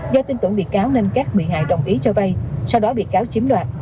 do tin tưởng bị cáo nên các vị hại đồng ý cho vây sau đó bị cáo chiếm đoạt